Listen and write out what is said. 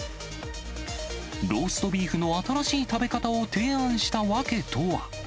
ローストビーフの新しい食べ方を提案した訳とは。